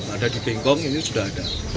ada di bengkong ini sudah ada